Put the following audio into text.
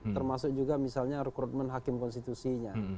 termasuk juga misalnya rekrutmen hakim konstitusinya